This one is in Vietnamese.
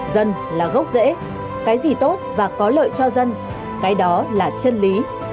dân là gốc dễ cái gì tốt và có lợi cho dân cái đó là chất lý